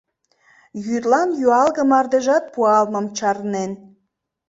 Йӱдлан юалге мардежат пуалмым чарнен.